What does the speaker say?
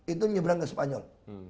itu nyebrang ke spanyol